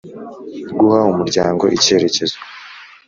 Guha umuryango icyerekezo